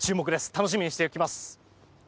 楽しみにしています！